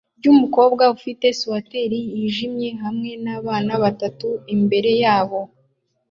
rwumukobwa ufite swater yijimye hamwe nabana batatu imbere yabo